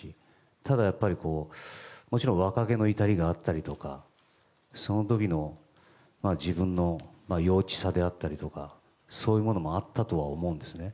ただ、やっぱりもちろん若気の至りがあったりとかその時の自分の幼稚さであったりとかそういうものもあったとは思うんですね。